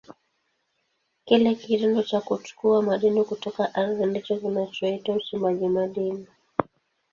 Kile kitendo cha kuchukua madini kutoka ardhini ndicho kinachoitwa uchimbaji madini.